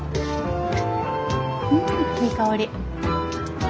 うんいい香り。